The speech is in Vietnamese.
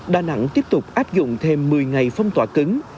đà nẵng tiếp tục áp dụng thêm một mươi ngày phong tỏa cứng